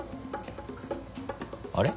あれ？